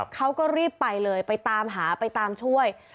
เขาก็รีบไปเลยไปตามหาไปตามช่วย